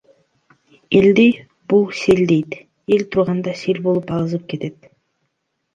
Элди — бул сел дейт, эл турганда сел болуп агызып кетет.